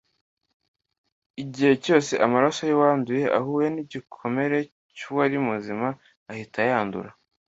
igihe cyose amaraso y’uwanduye ahuye n’igikomere cy’uwari muzima ahita yandura